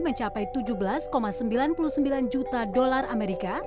mencapai tujuh belas sembilan puluh sembilan juta dolar amerika